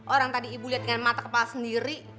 orang tadi ibu lihat dengan mata kepala sendiri